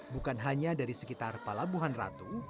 bukan hanya dari sekitar pelabuhan ratu